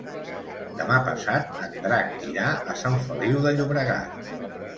Demà passat en Drac irà a Sant Feliu de Llobregat.